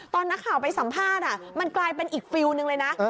ตอนนักข่าวไปสัมภาษณ์มันกลายเป็นอีกฟิลลหนึ่งเลยนะ